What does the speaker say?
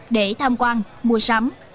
để tham quan mua sắm